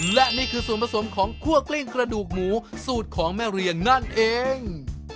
และนี่คือส่วนผสมของคั่วกลิ้งกระดูกหมูสูตรของแม่เรียงนั่นเอง